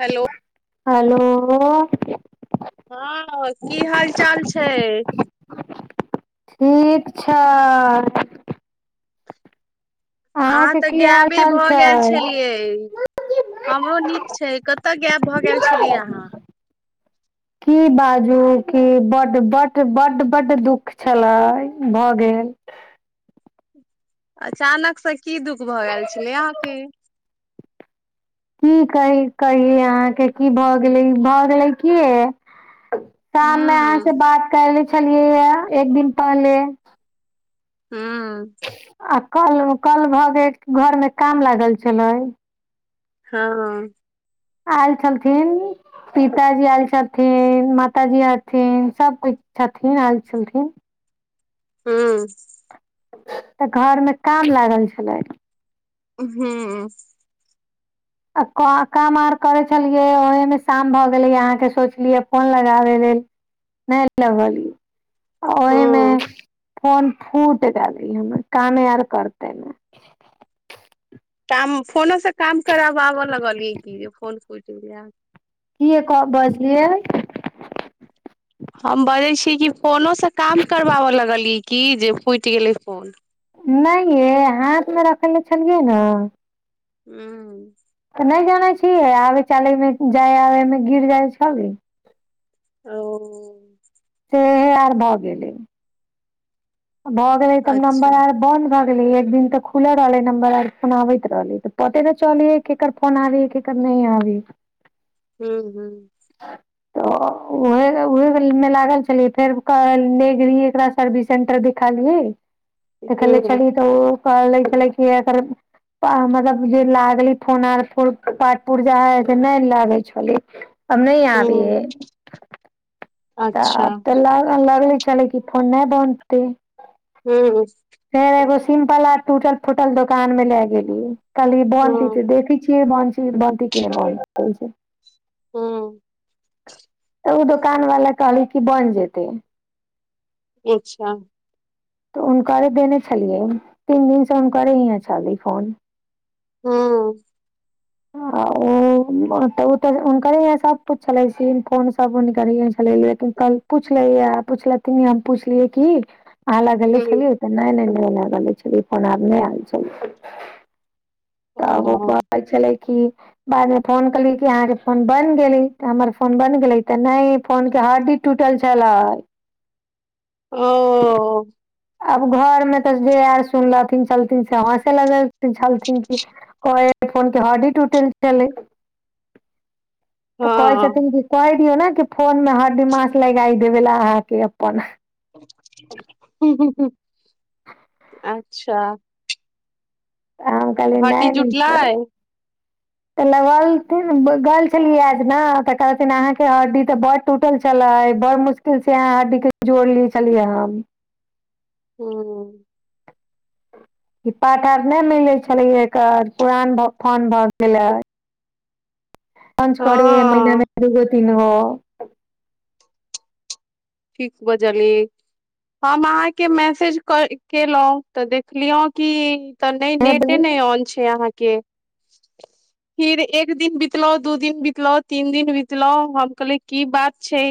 Hello. Hello. हँ की हाल चाल छैय। ठीक छैय। अहाँ अहाँके त की हाल गेयबे चाल भ गेल छै छलियै। हमरो नीक छैय कतय गैब भए गेल छलियै अहाँ। की बाजू की बड -बड -बड- बड दुख छले भ गेल। अचानक से की दुःख भ गेल छलै अहाँके। की कहि- कहि अहाँके की भ गेलै भ गेलै की शाममे अहाँ से हूँ बात करले छलियै या एक दिन पहले हँ। आ कल- कल भ गेल घरमे काम लागल छलै। हँ। आयल छलखिन। पिताजी आयल छथिन माताजी अथिन सब किछु छथिन आयल छथिन। हूँ। तऽ घर मे काम लागल छलै। हूँ‌‌ हूं। आ काम आर करै छलियै ओहिमे शाम भऽ गेलै अहाँके सोचलियै फोन लगाबै लेल। नहि लगलिय। ओहिमे हूँ फोन फूट गेली हमर कामे आर करते में। काम फोनो से काम कराबाबऽ लगलियै की जे फोन फूट गेल। कीये कह बजलियै। हम बजै छीय कि फोनोसँ काम करबाब लगलियै कि जे फुटि गेलै फोन। नहि ये हाथमे रखने छलियै नऽ। हूं। तऽ नहि जानै छियै आबे चाले मे जाय आबे मे गिर जाइ छले। ओ। तेहे आर भऽ गेलै। भो गेलै तऽ अच्छा नंबर आर। बंद भए गेले एक दिन तऽ खुल रहलै नंबर आर फोन आबैत रहलै तऽ पते त चलियै। केकर फोन आबे हे केकर नहि आबे हे। हूँ हूं। [inaudible] तऽ उहे उहे में लागल छलियै फेर नेने गेलियै एकरा सर्विस सेंटर देख। हूँ देखेलही तऽ ओ कहै छलै कि एकर। मतलब जे लागलै फोन आर के पाट पुर्जा ऐ से नहि लागे छलै। आब नहि हूँ आबैये। तऽ अच्छा आब तऽ ल लगय छलै जे फोन नहि बनतै। हूं। फेर एगो सिम्पल आर टूटल फूटल दोकान मे लए गेलि। कहलियै बनतै हूँ त देखय छियै बनतै बनतै केना बनतै। हूं। तऽ ओ दोकान बला कहलै कि बन जेतै। अच्छा। तऽ। कल्हि देने छलियै तीन दिन से हुनके ओतय छलै फोन। हूं। [inaudible] आ ओ तऽ हुनकरे हिसाब छले फोन सब लेकिन कल। पुछले पुछल हम पुछलियै की अहा लगेले हूँ छलियै। ल आ नहि नहि आब छल ओ तब। पाइ छलै की। बाद मे फोन केलियी कि अहाँके फोन बन गेलै हमर फोन बन गेलै तऽ नहि फोन के हडी। टूटल छले। ओ। आब घर मे तऽ जे आर सुनलथिन से हॅंसय लगय छलथिन की। कहै [unintelligible] फोन के हडी टूटल छलै। तऽ कहै हँ छथिन कि कहि दियौ ने कि फोन मे हरडिमास लगाइ देबे ले अहाँके अपन। हूँ, हूँ, हूँ। अच्छा तऽ हम कहलियै नहि हड्डी नै कर- जुटलै तऽ लगेलथिन गेल छलियै आज ने तऽ कहथिन अहाँके हड्डी तऽ बड- टूटल छलै बड़ मुश्किल से अहाँ हड्डी के जोड़ ले छलियै हम। हूँ। ई पार्ट आर नहि मिले छल्लै कऽ पुरान फोन भए गेलेै। पंच करैये महिने हँ मे दूगो तीन गो। ठीक बजलियै। हम आहाँके मैसेज कऽ केलौ तऽ देखलियौ की- तऽ नै हँ हँ नेटे नहि ऑन छै अहाँके। फिर एक दिन बितलौ, दू दिन बितलौ, तीन दिन बितलौ हम कहलियै की बात छै।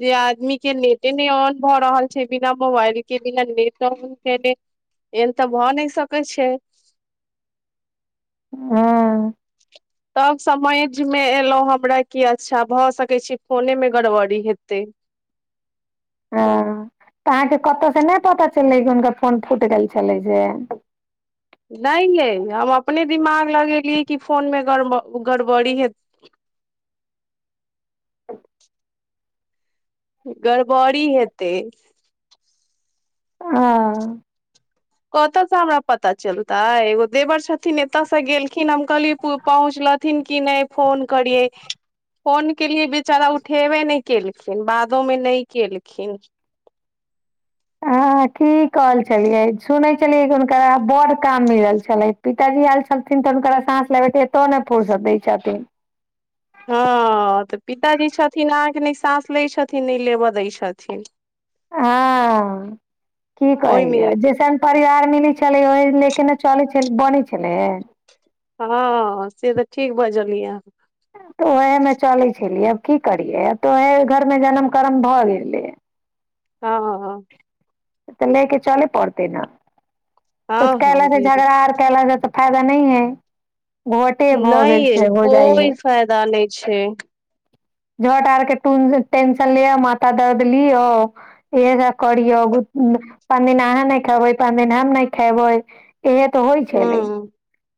जे आदमी के नेटे नै औन भऽ रहल छै बिना मोबाइल के बिना नेट औन केने। एहनतऽ भऽ नै सकै छै। हँ तब समझ मे एलौ हमरा कि अच्छा भऽ सकै छै फोने मे गड़बड़ी हेतै। हँ तऽ आहाँके कतऽ से नै पता चललै कि हुनका फोन फूइट गेल छलै से- नहि यै हम अपने दिमाग लगेलियै कि फोनमे गड़ब गड़बड़ी हे- गड़बड़ी हेतै। हँ। कतऽ से हमरा पता चलतै एगो देवर छथिन एतयसँ गेलखिन हम कहलियै पु पहुँचलथिन कि नै फोन करियै। फोन केलिए बेचारा उठेबे नै केलखिन बादो मे नै केलखिन। हँ की कहय छलियै सुनै छलियै कि हुनकर बड काम मिलल छलै। पिताजी एल छथिन तऽ हुनकर साँस लेबेके एतो ने फूर्सत दैय छथिन। हॅं तऽ पिताजी छथिन आहाँके नै साँस लै छथिन नहि लेबऽ दै छथिन। हँऽ की कहय ओहिमे या जे सब- परिवार मिली छलै ओह ले के ने चलै छल बने छलै। हँ से तऽ ठीक बजलियै आहाँ। तऽ ओएहे मे चलै छलियै आब की करियै तऽ ओएहे घर मे जनम कर्म भऽ गेलै। हॅं। तऽ ले के चलेै पड़तेै न हँ कुछ कैहले हँ तऽ बिल्कुल झगड़ा आर- केल जा तऽ फायदा नै है वोटे भऽ गेल छै हो जाइ हेै। फैयदा नै छै। झट आर के टुन टेंशन लिअ माथा दर्द लिऔ। इह सब करियौ पांन दिन आहाँ नै खेबै पांन दिन हम नै खेबै। इहे ते होइ छेलेै हूँ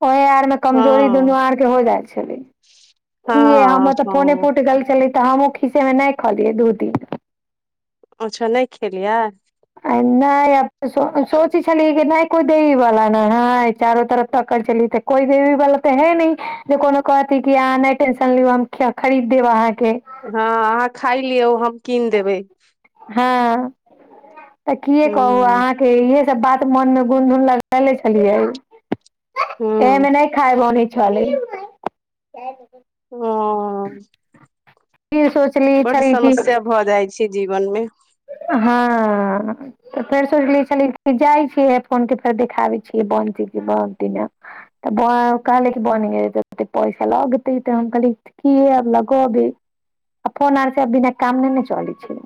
ओहे आर मे कमजोरी हँ दुनू आर के हो जाइ छेलेै। की हम हँ तऽ फोने हँ फुट गेल छेलै तऽ हमहुॅं खीसेमे नै खलियै दू दिन। अच्छा नै खेलियै। आय नैय अब सो-सोचैय छलियै कि नैय। कोय देवी वला न हैय चारो तरफ टक्कडर चली ते कोइ देवी वाला तऽ है नैय। जे कोनो कहती क आहाँ नै टेंशन लिउ हम खरीद देब आहाँके। हँ अहाँ खाय लियौ हम कीन देबै। हँ त कि कहू हूँ अहाँके इहे सब बात मनमे गून धून लगैले छलियै ए हूँ मे नहि खाय बने छलय। ओं। इ सोचली छल कि छी जीवनमे हँ। त फेर सोचले छली जाइ छियै फोन के फेर देखाबै छियै बंद छैय बहुत दिना त बं कहैलिय कि बनतै पैसा लगतय त हम कहलियए कीया लगोबे आ फोन आर के बिना काम नहि ने चलै छैय।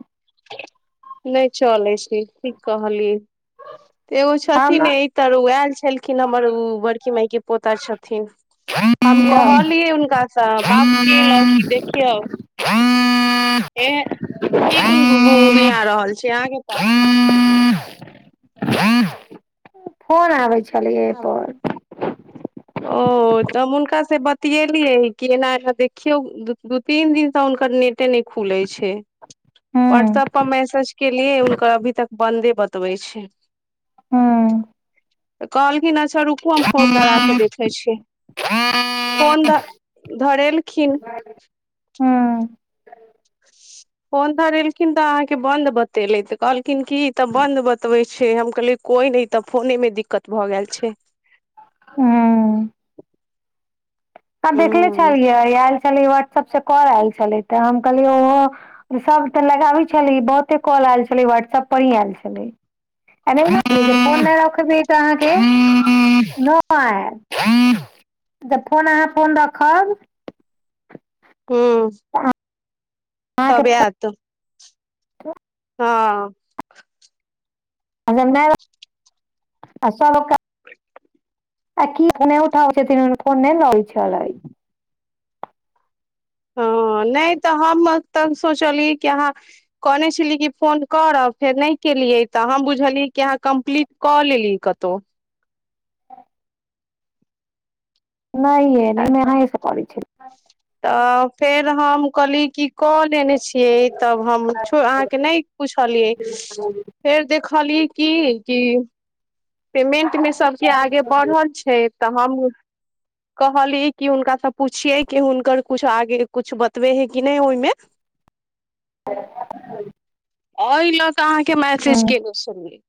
नय चले छैय ठीक कहली एगो हम छथिन इ [unintelligible] एलखिन हमर उ बड़की माइके पोता छथिन हम कहलियै हुनकासँ बात केलउ कि देखियौ [inaudible] एह की गुं गुगीया रहल छी अहाँ रूपा। फोन आबै छलै एयपर। ओ। त हुनका से बतियेलियै कि एना एना देखियौ दू दू- तीन दिन से हुनकर नेट नहि खुलै छैय। हूं व्हाट्सऐप पर मैसेज केलिए हुनकर अभी तक बन्दे बतबै छैय। हूँ। कहलखिन अच्छा रुकू हम फोन धरा क देखै छी। फोन ध धरेलखिन हूँ। फोन धरेलखिन त अहाँके बन्द बतेलेय त कहलखिन की त बन्द बतबै छैय हम कहलियै कोई नय इ त फोने मे दिक्कत भ गेल छैय। हूं आ देखले ह छलियै आयल छलै व्हाट्सऐप से कॉल आयल छलै त हम कहलियै ओहो सब त लगाबय छले बहुते कॉल आयल छलय व्हाट्सऐप पर ही आयल छलय। [inaudible] त फोन अहाँ फोन रखब हू। अहाँके तबे फोन आयत। हँ। [inaudible] आकी फोन नय उठाबै छथिन आ फोने [unintelligible] हँ नहि त हम तब सोचलियै कि अहाँ कहने छलियै कि फोन करब फेर नहि केलियै त हम बुझलियै कि अहाँ कम्प्लीट कऽ लेली कतो। [inaudible] नइयै नहि अहाँयेसँ करय छलियै। त फेर हम कहली कि क लेने छियै। तब हम छ अहाँके नहि पुछलियै फेर देखलियै की की पेमेंटमे सभके आगे बढ़ल छैय त हम कहलियै कि हुनकासँ पुछियै कि हुनकर कुछ आगे कुछ बतबे है कि नय ओयमे। [unintelligible] अहि लऽ क अहाँके मैसेज केेले छेलीये।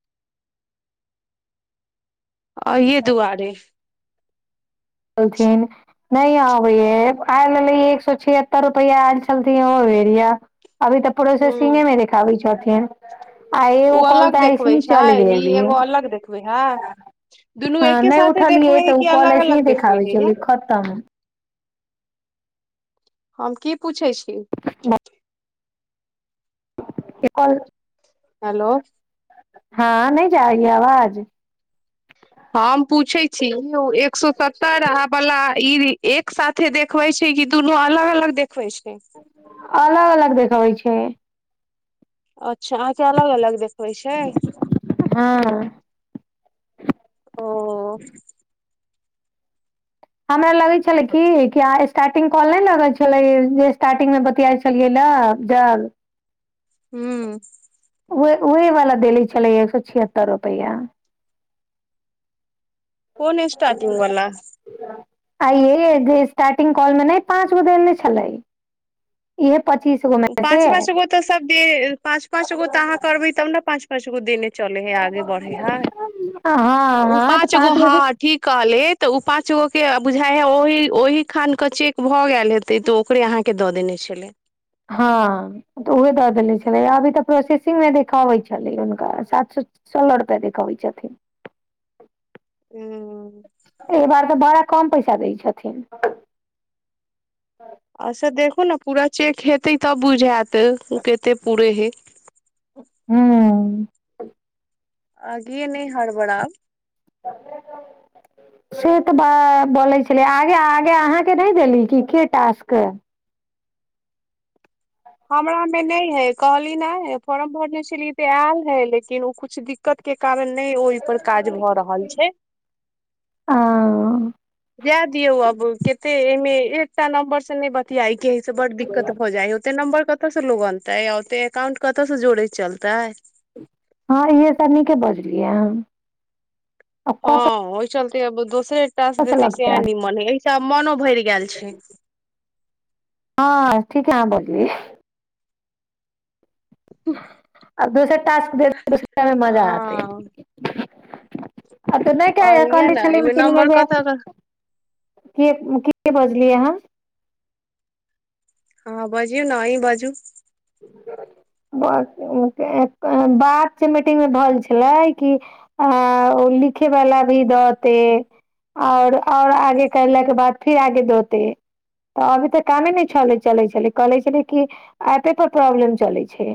अहिये दुआरे कलथिन नहि आबै यें काइल एलै एक सए छिहत्तर रुपया, ऐल छलती इहो बेरिया अभी तऽ प्रोसेसिंगे मे देखाबय छथिन आ एगो उ कॉल अलग तऽ देखबै ऐसे ही छै, चल ई गेलियै एगो अलग देखबै हैं दुनू हँ एके नहि साथे उठलियै देखबै हय तऽ ओ कि, कॉल ऐसे ही अलग-अलग देखबै देखाबै हय यैए छलै खतम हम की पूछै छी ब ए कॉल हैलो हां नहि जाय य आवाज हम पूछै छी, उ एक सौ सत्तर आ बला ई एक साथे देखबै छै कि, दुनू अलग-अलग देखबै छै। अलग-अलग देखबै छै। अच्छा अहाँके अलग-अलग देखबै छै। हँ ओं हमरा लगै छलै की की आ एस स्टार्टिंग कॉल नहि लगै छलै, जे स्टार्टिंग मे बतियाइ छलियै ल ज हम्म वए वऐ वाला देले छलै, एक सौ छिहत्तर रुपैया कोन स्टार्टिंग वला आइ ये जे स्टार्टिंग कॉल मे नहि पाँच गो देने छलै। इहे पच्चीस गो मे से पाँच-पाँच गो तऽ सब दे, पाँंच-पाँच गो तऽ अहाँ करबै तब ने पाँच पाँच गो देने चलै हय आगे बढ़ै हय हँ उ हँ तऽ पाँच गो से हाँ की कहलि त उ पांच गो के बुझाय हय ओहि -ओहि खान के चेक भ गेल हे तै तो ओकरे अहाँके दऽ देने छलै हँ तऽ उहे दऽ देनेे छलै, अभी तऽ प्रोसेसिंग मे देखाबैत छलै हुनका सात सौ सोलह रुपैया देखैबे छथिन हूँ एहि बार त बड़ा कम पैसा दै छथिन। अ से देखू ने पूरा चेक हेते तब बुझैत, ओ कते पूरै हय। हम्म आगे न हि हरबड़ाब [unintelligible] से तऽ ब बोलय छलै, आगे-आगे अहाँ के नहि देली की के टास्क हमरा में नै हय, कहली नाय फॉर्म भरने छलियै तऽ ऐल हय, लेकिन उ कुछ दिक्क क्कत के कारण नहि ओय पर काज भऽ रहल छै। अं जै दियौ अब, केते एय में एकटा नम्बर से नै बतियाइ के हय से बड दिक्कत भऽ जाय ओ त्ते नंबर कतऽ स लोग अनतै, आ ओते एकाउंट कतऽ से जोड़ैत चलतै। हँ इहे सब नीके बजलियै हन हँ ओहि चलते अब दोसरे टास्क से देतै लगतै सएह आदमी। निमन हय, एहि स आब मनो भइर गैल छय हँ ठीके अहाँ बोलली आब दोसर टास्क भेटतै दोसरा में मजा आतै हँ आब तऽ नै कह और ये कहली ने छलीन एहिमे मीटिंग में नम्बर जे कतऽ के की बजलीयै अहाँ हँ बजियौ न अहीं बाजू बात जे मीटिंग में भल छलै, कि आ ओ लिखेवला भी दऽतै, और-और आगे करलाक के बाद फिर आगे दौतै। तऽ अभी तऽ कामे नै चलै छलै कहले छलै कि एपे पर प्रॉब्लम चलै छै।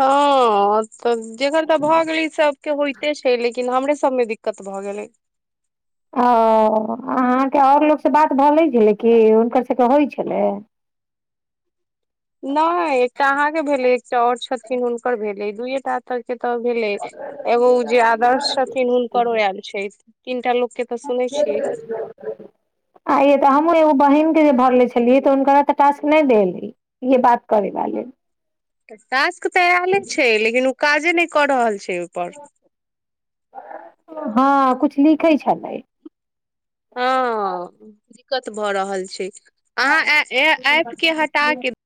हँ तऽ जेकर तऽ भऽ गेलै सबके होयते छै, लेकि लेकिन हमरे सब में दिक्कत भऽ गेलै। ओ अहाँके और लोकसँ बात भऽ गेलै कि हुनकर सबके होइ छलै। नै एकटा अहाँके भेलै एकटा और छथिन हुनकर भेलै दूएटा तऽ के तऽ भेलै एगो ओ जे आदर्श छथिन हुनकरो एल छै, तीनटा लोक के तऽ [unintelligible] सुनै छियै आइये तऽ, हमहूँ एगो बहिनके जे भरले छलियै तऽ हुनकरा तऽ, टास्क नै देलै। ये बात करै वाले टास्क तऽ एले छै, लेकिन उ काजे नै कऽ रहल छै, ओयपर। हँ कुछ लिखै छलै। हँ दिक्कत भऽ रहल छै, अहाँ ए-ए ऐप के हटा के